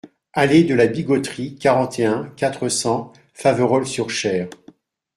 Allée de la Bigotterie, quarante et un, quatre cents Faverolles-sur-Cher